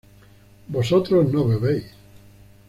vosotros no bebéis